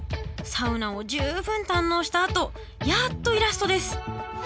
サウナを十分堪能したあとやっとイラストです。